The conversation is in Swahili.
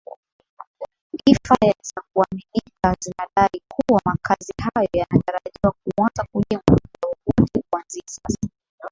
ifa za kuaminika zinadai kuwa makazi hayo yanatarajiwa kuanza kujengwa muda wowote kuanzia sasa